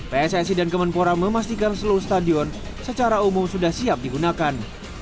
pssi dan kemenpora memastikan seluruh stadion secara umum sudah siap digunakan